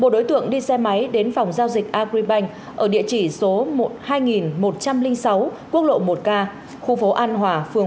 đối tượng là mạng